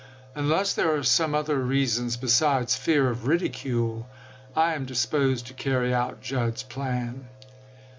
Unless there are some other reasons besides fear of ridicule, I am disposed to carry out Judd's plan."